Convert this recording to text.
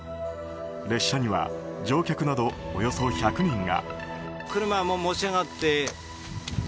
列車には乗客などおよそ１００人が。